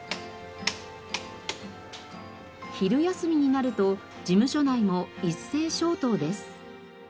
昼休みになると事務所内も一斉消灯です。